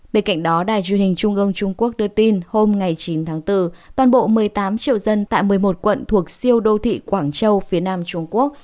bên cạnh đó đài truyền hình trung ương trung quốc đưa tin hôm chín tháng bốn toàn bộ một mươi tám triệu dân tại một mươi một quận thuộc siêu đô thị quảng châu phía nam trung quốc